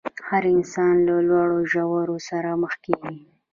هر انسان له لوړو ژورو سره مخ کېږي.